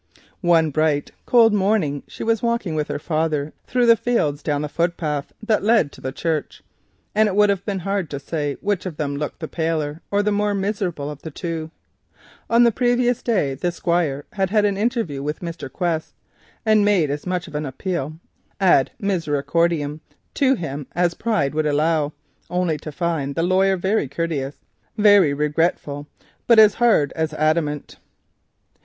One bright cold morning she was walking with her father through the fields down on the foot path that led to the church, and it would have been hard to say which of the two looked the paler or the more miserable. On the previous day the Squire had seen Mr. Quest and made as much of an appeal ad misericordiam to him as his pride would allow, only to find the lawyer very courteous, very regretful, but hard as adamant.